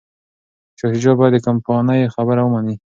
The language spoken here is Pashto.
شاه شجاع باید د کمپانۍ خبره ومني.